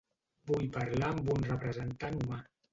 Vull parlar amb un representant humà.